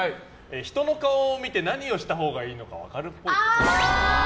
人の顔を見て何をしたほうがいいか分かるっぽい。